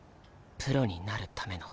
プロになるための。